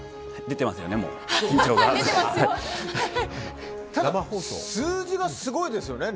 出ていますよね